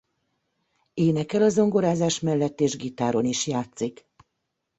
Énekel a zongorázás mellett és gitáron is játszik.